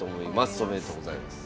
おめでとうございます。